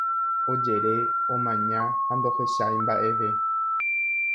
Ojere, omaña ha ndohechái mba'eve.